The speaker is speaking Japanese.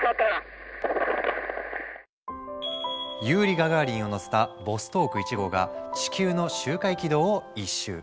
ユーリイ・ガガーリンを乗せたボストーク１号が地球の周回軌道を一周。